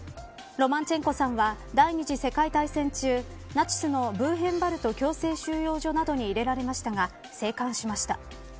ロマンチェンコさんは第２次世界大戦中ナチスのブーヘンバルト強制収容所などに入れられましたが生還しました。